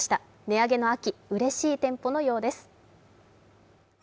値上げの秋、うれしい店舗のようです。